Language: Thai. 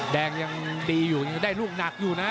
แดงยังดีอยู่ยังได้ลูกหนักอยู่นะ